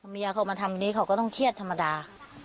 เมียเขามาทำนี้เขาก็ต้องเครียดธรรมดา